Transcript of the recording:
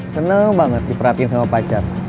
seneng banget diperhatiin sama pacar